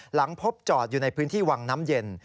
หลังพบจอดอยู่ในพื้นที่วังน้ำเย็น